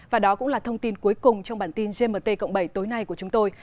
và đó cũng là thông tin cuối cùng trong bản tin gmt cộng bảy tối nay của chúng tôi